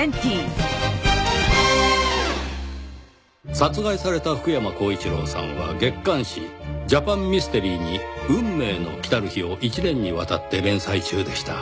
殺害された福山光一郎さんは月刊誌『ジャパン・ミステリー』に『運命の来たる日』を１年にわたって連載中でした。